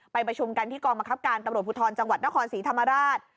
ประชุมกันที่กองบังคับการตำรวจภูทรจังหวัดนครศรีธรรมราช